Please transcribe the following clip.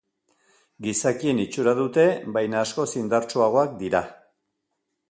Gizakien itxura dute, baina askoz indartsuagoak dira.